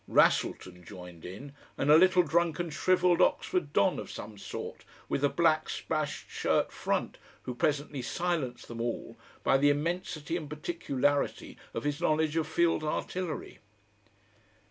Wrassleton joined in and a little drunken shrivelled Oxford don of some sort with a black splashed shirt front who presently silenced them all by the immensity and particularity of his knowledge of field artillery.